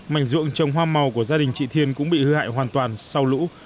mảnh ruộng trồng hoa màu của gia đình chị thiên cũng bị hư hại hoàn toàn sau lũ